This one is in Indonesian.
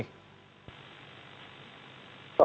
seolah olah ada dua pernyataan